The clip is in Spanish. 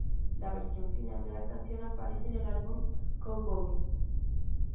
La versión final de la canción aparece en el álbum Cowboy.